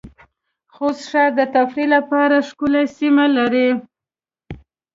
خوست ښار د تفریح لپاره ښکلې سېمې لرې